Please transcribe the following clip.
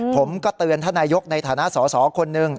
ผมก็เตือนท่านนายกในฐานะสอสอคนหนึ่ง